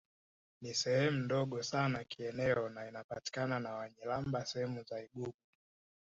Ni sehemu ndogo sana kieneo na inapakana na Wanyiramba sehemu za lgugu